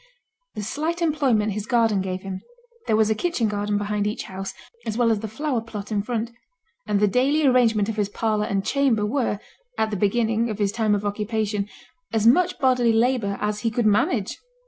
The slight employment his garden gave him there was a kitchen garden behind each house, as well as the flower plot in front and the daily arrangement of his parlour and chamber were, at the beginning of his time of occupation, as much bodily labour as he could manage.